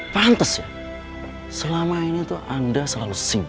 pantes ya selama ini tuh anda selalu sibuk